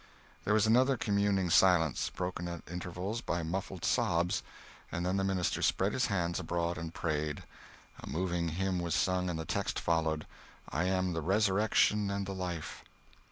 There was another communing silence, broken at intervals by muffled sobs, and then the minister spread his hands abroad and prayed. A moving hymn was sung, and the text followed: "I am the Resurrection and the Life."